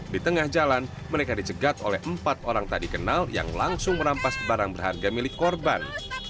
di tengah jalan mereka dicegat oleh empat orang tak dikenal yang langsung merampas barang berharga milik korban